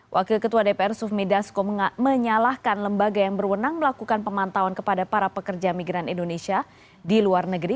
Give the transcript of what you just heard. wakil ketua dpr sufmi dasko menyalahkan lembaga yang berwenang melakukan pemantauan kepada para pekerja migran indonesia di luar negeri